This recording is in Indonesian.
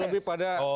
ya lebih pada